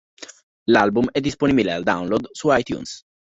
L'album è disponibile al download su iTunes.